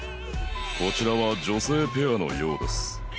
こちらは女性ペアのようです